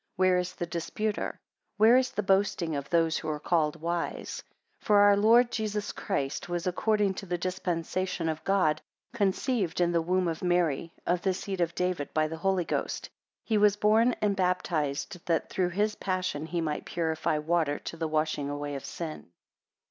Where is the disputer? Where is the boasting of those who are called wise? 9 For our Lord Jesus Christ was according to the dispensation of God, conceived in the womb of Mary, of the seed of David, by the Holy Ghost. He was born and baptized, that through his passion he might purify water, to the washing away of sin.